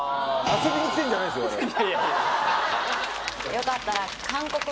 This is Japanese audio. よかったら。